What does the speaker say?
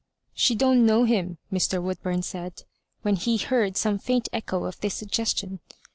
"She don't know him," Mr. Woodburn said, when he heard some &int echo of this suggestion.